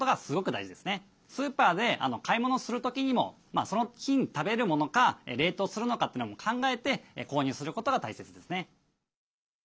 スーパーで買い物する時にもその日に食べるものか冷凍するのかというのを考えて購入することが大切ですね。